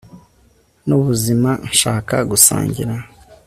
nubuzima nshaka gusangira